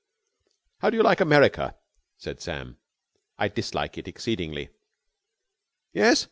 "How do you like America?" said Sam. "I dislike it exceedingly." "Yes?